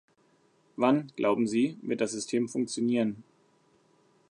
Wann, glauben Sie, wird das System funktionieren?